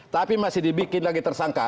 tapi masih dibikin lagi tersangka